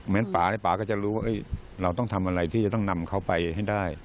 ป่าในป่าก็จะรู้ว่าเราต้องทำอะไรที่จะต้องนำเขาไปให้ได้